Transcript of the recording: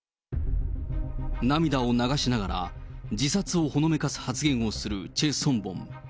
涙を流しながら、自殺をほのめかす発言をするチェ・ソンボン。